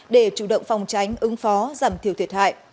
để chủ động phòng tránh ứng phó giảm thiểu thiệt hại